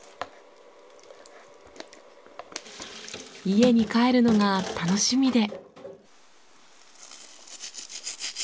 家に帰るのが楽しみで。